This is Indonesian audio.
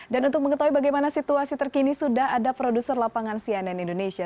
dan untuk mengetahui bagaimana situasi terkini sudah ada produser lapangan cnn indonesia